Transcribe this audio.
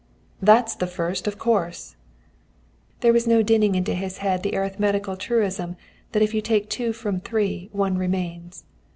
"'That's the first, of course!' "There was no dinning into his head the arithmetical truism that if you take two from three one remains.